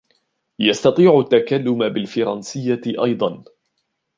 يستطيع التكلم بالفرنسية أيضا.